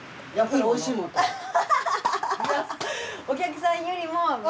お客さんよりも。